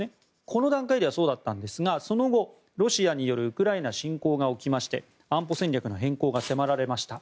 この段階ではそうだったんですがその後、ロシアによるウクライナ侵攻が起きまして安保戦略の変更が迫られました。